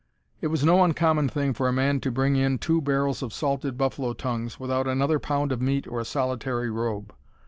It was no uncommon thing for a man to bring in two barrels of salted buffalo tongues, without another pound of meat or a solitary robe.